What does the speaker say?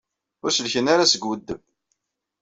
Ur sellken ara seg uweddeb.